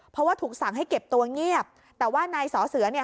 เพราะว่าถูกสั่งให้เก็บตัวเงียบแต่ว่านายสอเสือเนี่ย